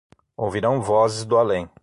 Ouvirão vozes do além